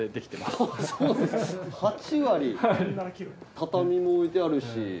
畳も置いてあるし。